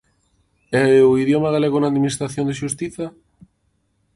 ¿E o idioma galego na administración de xustiza?